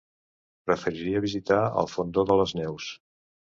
Preferiria visitar el Fondó de les Neus.